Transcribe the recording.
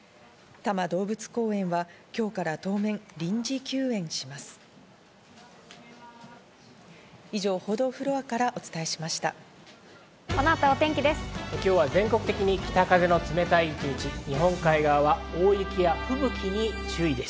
多摩動物公園は今日から当面、臨時休園します。